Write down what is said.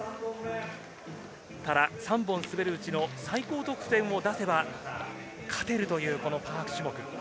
ただ３本滑る内の最高得点を出せば、勝てるというパーク種目。